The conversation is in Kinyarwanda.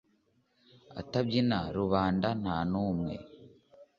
abatambyi na rubanda nta numwe